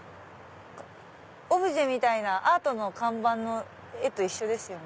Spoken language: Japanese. オブジェみたいなアートの看板の絵と一緒ですよね。